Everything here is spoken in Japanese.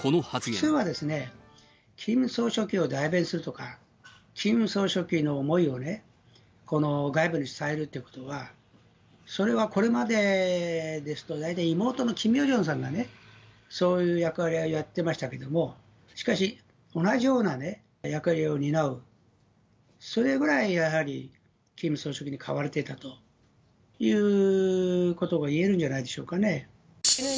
普通は、キム総書記を代弁するとか、キム総書記の思いをね、外部に伝えるということは、それはこれまでですと、大体、妹のキム・ヨジョンさんがね、そういう役割をやってましたけれども、しかし、同じような役割を担う、それぐらいやはり、キム総書記に買われていたということが言えるんじゃないでしょうかね。